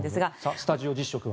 スタジオ実食は。